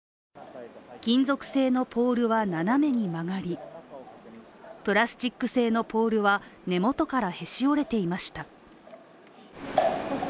金属製のポールは、斜めに曲がりプラスチック製のポールは根元からへし折れていました。